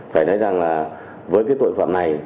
phải nói rằng là với cái tội phạm này